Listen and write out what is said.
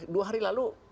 dua hari lalu